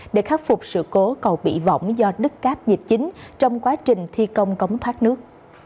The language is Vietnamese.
để khắc phục sự cố cầu bị bỏng do đứt cáp nhịp chính trong quá trình thi công cống thoát nước